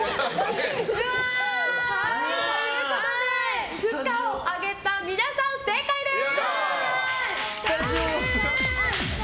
ということで不可を上げた皆さん正解です！